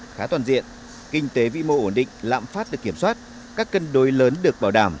khá toàn diện kinh tế vĩ mô ổn định lạm phát được kiểm soát các cân đối lớn được bảo đảm